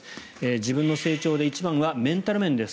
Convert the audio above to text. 自分の成長で一番はメンタル面です。